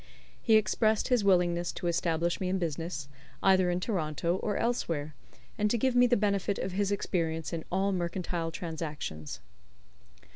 He expressed his willingness to establish me in business, either in Toronto or elsewhere, and to give me the benefit of his experience in all mercantile transactions.